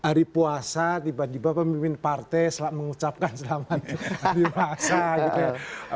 hari puasa tiba tiba pemimpin partai mengucapkan selamat hari puasa gitu ya